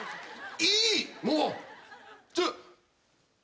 いいもう。